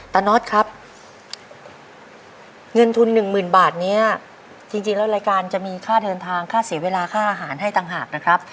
น็อตครับเงินทุนหนึ่งหมื่นบาทนี้จริงแล้วรายการจะมีค่าเดินทางค่าเสียเวลาค่าอาหารให้ต่างหากนะครับ